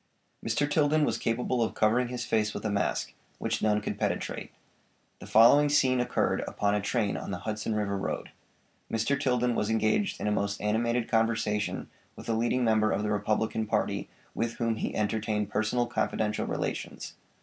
Mr. Tilden was capable of covering his face with a mask, which none could penetrate. The following scene occurred upon a train on the Hudson River road. Mr. Tilden was engaged in a most animated conversation with a leading member of the Republican party with whom he entertained personal confidential relations.